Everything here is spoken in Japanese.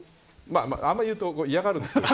あんまりと嫌がるんですけど。